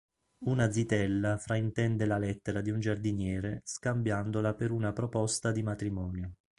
Una zitella fraintende la lettera di un giardiniere scambiandola per una proposta di matrimonio.